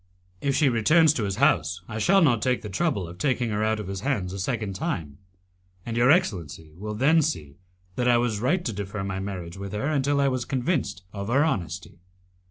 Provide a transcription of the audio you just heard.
"If she returns to his house I shall not take the trouble of taking her out of his hands a second time, and your excellency will then see that I was right to defer my marriage with her until I was convinced of her honesty."